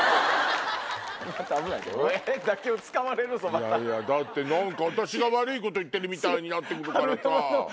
いやいやだって何か私が悪いこと言ってるみたいになって来るからさ。